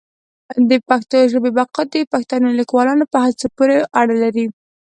د پښتو ژبي بقا د پښتنو لیکوالانو په هڅو پوري اړه لري.